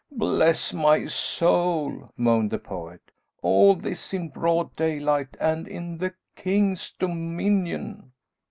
"Bless my soul," moaned the poet, "all this in broad daylight, and in the king's dominion."